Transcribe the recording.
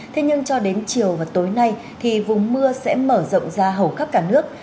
thế nhưng cho đến chiều và tối nay thì vùng mưa sẽ mở rộng ra hầu khắp cả nước